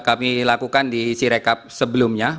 kami lakukan di sirekap sebelumnya